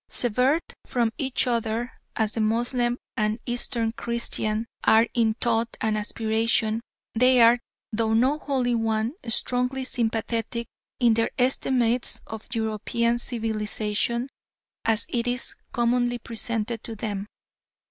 Severed from each other as the Moslem and Eastern Christian are in thought and aspiration, they are, though not wholly one, strongly sympathetic in their estimates of European civilisation as it is commonly presented to them.